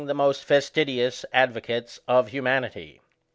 15 the most fastidious advocates of humanity.